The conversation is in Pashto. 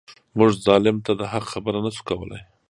موږ ظالم ته د حق خبره نه شو کولای.